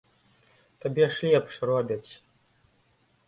Табе ж лепш робяць.